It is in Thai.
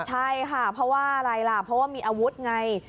ใช่ค่ะเพราะว่ามีอาวุธไง